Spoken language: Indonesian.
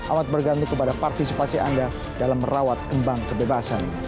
amat bergantung kepada partisipasi anda dalam merawat kembang kebebasan